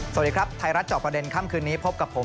สวัสดีครับไทยรัฐจอบประเด็นค่ำคืนนี้พบกับผม